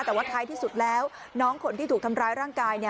แต่ว่าท้ายที่สุดแล้วน้องคนที่ถูกทำร้ายร่างกาย